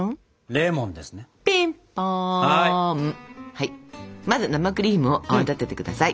はいまず生クリーム泡立ててください。